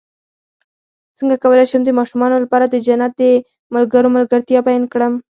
څنګه کولی شم د ماشومانو لپاره د جنت د ملګرو ملګرتیا بیان کړم